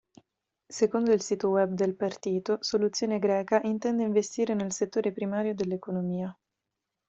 Secondo il sito web del partito, Soluzione Greca intende investire nel settore primario dell'economia.